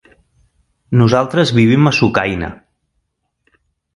Nosaltres vivim a Sucaina.